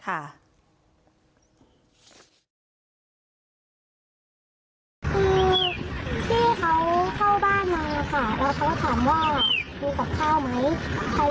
เค้าเข้าบ้านมาค่ะแล้วเขาถามว่ามีกับข้าวไหมอยู่บ้าน